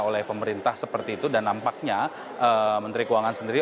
oleh pemerintah seperti itu dan nampaknya menteri keuangan sendiri